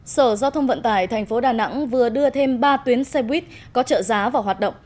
sở giao thông vận tải tp đà nẵng vừa đưa thêm ba tuyến xe buýt có trợ giá vào hoạt động